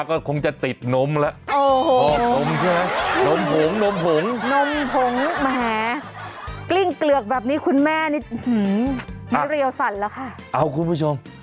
เอ้าคุณผู้ชม